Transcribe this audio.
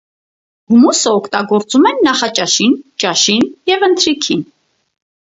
Հումուսը օգտագործում են նախաճաշին, ճաշին և ընթրիքին։